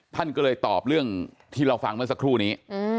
ท่านก็เลยตอบเรื่องที่เราฟังเมื่อสักครู่นี้